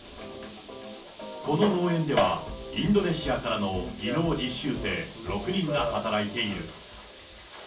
この農園では、インドネシアからの技能実習生６人が働いている。